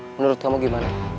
menurut kamu gimana